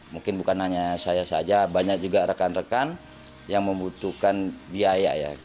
mungkin bukan hanya saya saja banyak juga rekan rekan yang membutuhkan biaya ya